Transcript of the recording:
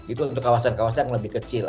itu untuk kawasan kawasan yang lebih kecil